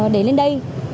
để lên đây